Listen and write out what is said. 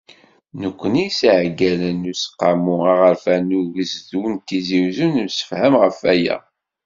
Nekkni s yiɛeggalen n Useqqamu Aɣerfan n Ugezdu n Tizi Uzzu, nemsefham ɣef waya.